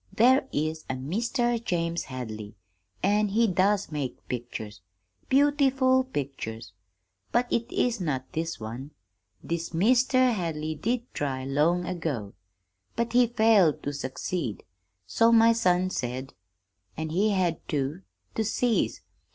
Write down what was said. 'There is a Meester James Hadley, an' he does make pictures beautiful pictures but it is not this one. This Meester Hadley did try, long ago, but he failed to succeed, so my son said; an' he had to to cease.